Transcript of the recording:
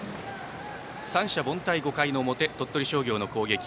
三者凡退、５回の表鳥取商業の攻撃。